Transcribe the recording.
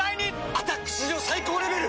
「アタック」史上最高レベル！